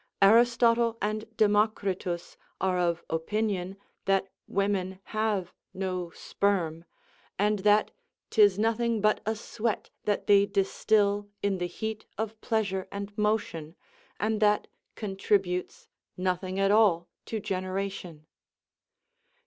Aristotle and Democritus are of opinion that women have no sperm, and that 'tis nothing but a sweat that they distil in the heat of pleasure and motion, and that contributes nothing at all to generation.